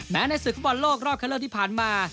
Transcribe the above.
แม้ในศึกภาพบอลโลกรอบข้างเริ่มที่ผ่านมา